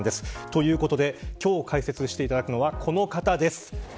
ということで、今日解説をしていただくのはこの方です。